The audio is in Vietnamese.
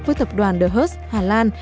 với tập đoàn the hust hà lan